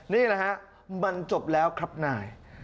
นี่แหละฮะมันจบแล้วครับนาย